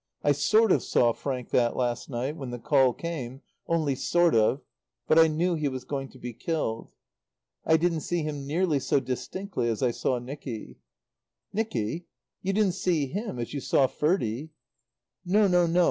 I sort of saw Frank that last night when the call came only sort of but I knew he was going to be killed. "I didn't see him nearly so distinctly as I saw Nicky " "Nicky? You didn't see him as you saw Ferdie?" "No, no, no!